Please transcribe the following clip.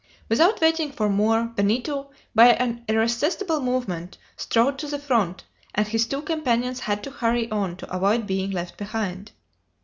Without waiting for more, Benito, by an irresistible movement, strode to the front, and his two companions had to hurry on to avoid being left behind.